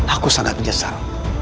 aku sangat menyesal